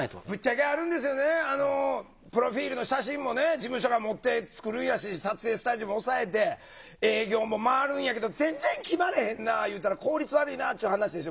事務所が持って作るんやし撮影スタジオも押さえて営業も回るんやけど全然決まれへんないうたら効率悪いなっちゅう話でしょ？